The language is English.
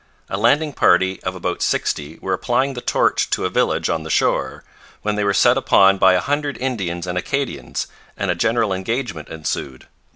A landing party of about sixty were applying the torch to a village on the shore, when they were set upon by a hundred Indians and Acadians, and a general engagement ensued.